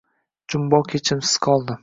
Jumboq echimsiz qoldi